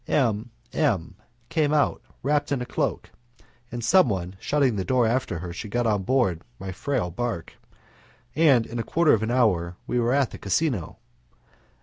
M M came out wrapped in a cloak, and someone shutting the door after her she got on board my frail bark, and in a quarter of an hour we were at the casino.